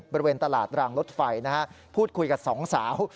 บริเวณตลาดรางรถไฟพูดคุยกับสองสาว